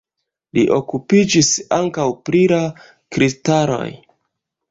Li okupiĝis ankaŭ pri la kristaloj.